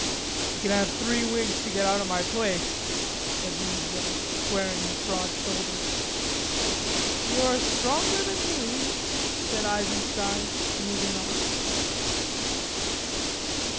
"You kin have three winks to get out o' my place," said Meadville, squaring his broad shoulders. "You are stronger than me," said Eisenstein, moving off.